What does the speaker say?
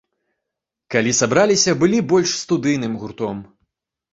Калі сабраліся, былі больш студыйным гуртом.